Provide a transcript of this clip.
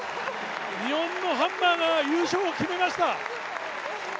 日本のハンマーが優勝を決めました。